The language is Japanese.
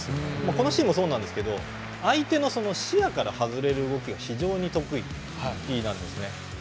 このシーンもそうですが相手の視野から外れる動きが非常に得意で。